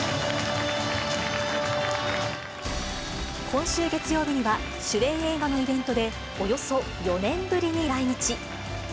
今週月曜日には、主演映画のイベントでおよそ４年ぶりに来日。